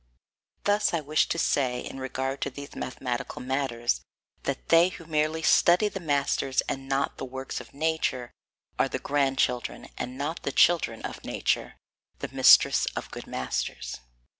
Thus I wish to say, in regard to these mathematical matters, that they who merely study the masters and not the works of nature are the grandchildren, and not the children, of nature, the mistress of good masters.